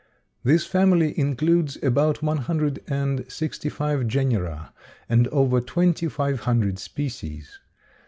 This family includes about one hundred and sixty five genera and over twenty five hundred species.